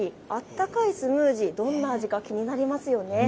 温かいスムージー、どんな味か気になりますよね。